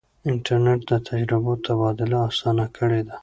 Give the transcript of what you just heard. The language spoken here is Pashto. انټرنیټ د تجربو تبادله اسانه کړې ده.